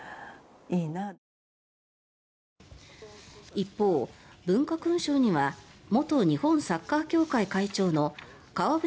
一方、文化勲章には元日本サッカー協会会長の川淵